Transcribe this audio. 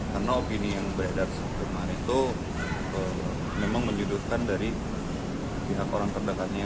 karena opini yang beredat sehari hari itu memang menjuduhkan dari pihak orang terdekatnya